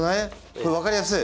これ分かりやすい！